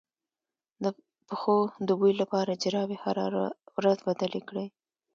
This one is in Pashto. د پښو د بوی لپاره جرابې هره ورځ بدلې کړئ